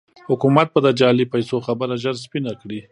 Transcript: حکومت به د جعلي پيسو خبره ژر سپينه کړي.